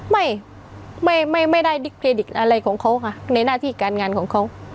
ไม่ไม่ได้ดิเครดิตอะไรของเขาค่ะในหน้าที่การงานของเขา